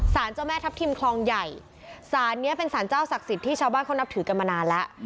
เจ้าแม่ทัพทิมคลองใหญ่สารนี้เป็นสารเจ้าศักดิ์สิทธิ์ที่ชาวบ้านเขานับถือกันมานานแล้ว